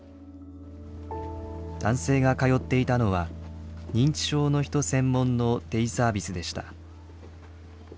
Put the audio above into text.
男性が通っていたのは認知症の人専門のデイサービスでした。